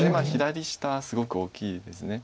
左下すごく大きいです。